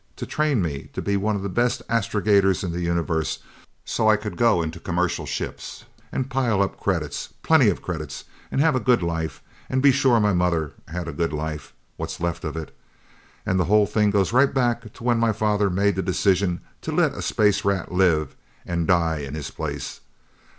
To train me to be one of the best astrogators in the universe so I could go into commercial ships and pile up credits! Plenty of credits and have a good life, and be sure my mother had a good life what's left of it. And the whole thing goes right back to when my father made the decision to let a space rat live, and die in his place!